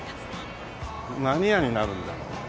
何屋になるんだろう？